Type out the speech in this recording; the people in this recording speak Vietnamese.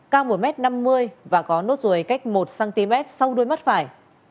cao một m năm mươi và có nốt ruồi cách một cm sau đuôi mắt phải